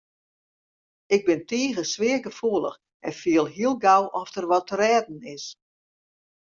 Ik bin tige sfeargefoelich en fiel hiel gau oft der wat te rêden is.